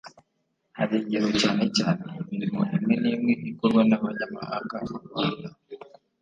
hari ingero cyane cyane imirimo imwe n’imwe ikorwa n’abanyamahanga mu Rwanda